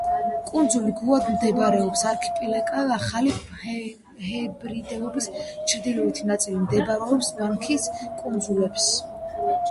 კუნძული გაუა მდებარეობს არქიპელაგ ახალი ჰებრიდების ჩრდილოეთ ნაწილში მდებარე ბანქსის კუნძულებს.